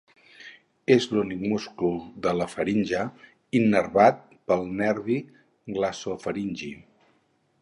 És l'únic múscul de la faringe innervat pel nervi glossofaringi.